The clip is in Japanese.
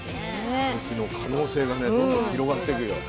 讃岐の可能性がねどんどん広がってくよ。